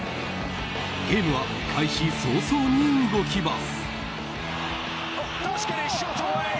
ゲームは開始早々に動きます。